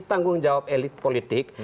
tanggung jawab elit politik